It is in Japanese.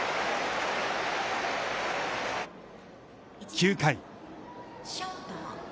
９回。